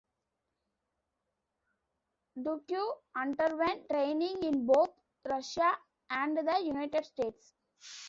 Duque underwent training in both Russia and the United States.